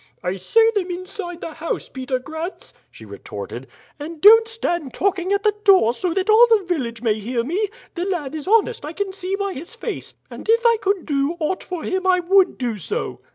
"I say them inside the house, Peter Grantz," she retorted, "and don't stand talking at the door so that all the village may hear me. The lad is honest, as I can see by his face, and if I could do aught for him I would do so."